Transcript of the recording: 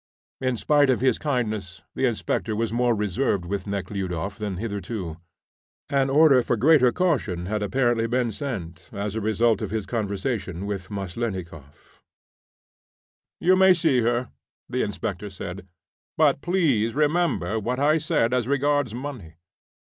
In spite of his kindness, the inspector was more reserved with Nekhludoff than hitherto. An order for greater caution had apparently been sent, as a result of his conversation with Meslennikoff. "You may see her," the inspector said; "but please remember what I said as regards money.